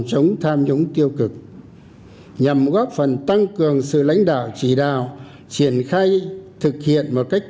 chống tham nhũng tiêu cực nhằm góp phần tăng cường sự lãnh đạo chỉ đạo triển khai thực hiện một cách